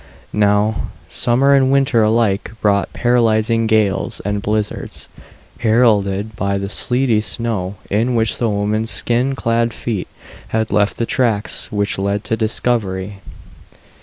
Now, summer and winter alike brought paralyzing gales and blizzards, heralded by the sleety snow in which the woman's skin clad feet had left the tracks which led to discovery.